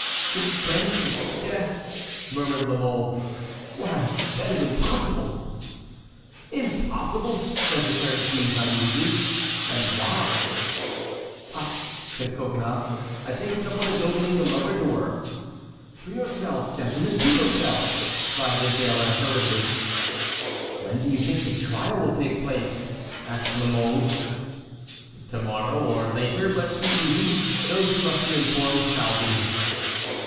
"Condemned to death!" murmured La Mole, "why, that is impossible!" "Impossible!" said the turnkey, naïvely, "and why?" "Hush!" said Coconnas, "I think some one is opening the lower door." "To your cells, gentlemen, to your cells!" cried the jailer, hurriedly. "When do you think the trial will take place?" asked La Mole. "To morrow, or later. But be easy; those who must be informed shall be."